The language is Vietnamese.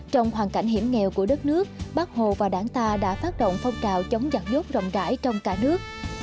trong hoàn cảnh hiểm nghèo của đất nước bác hồ và đảng ta đã phát động phong trào chống giặc dốt rộng rãi trong cả nước